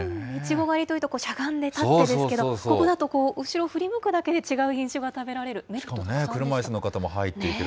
いちご狩りというと、しゃがんで立ってですけれども、ここだと後ろ振り向くだけで違う品種が食べられる。